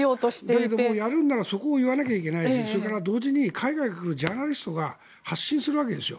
だけど、もうやるならそこを言わなきゃいけないしそれから同時に海外から来るジャーナリストが発信するわけですよ。